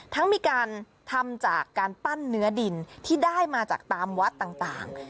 ทั้งมีการทำจากการปั้นเนื้อดินที่ได้มาจากตามวัดต่าง